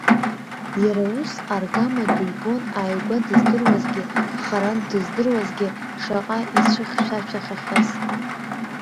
Иара ус аргамаду ибон ааигәа дыздыруазгьы, харантә дыздыруазгьы, шаҟа ицәыхьшәашәахахьаз.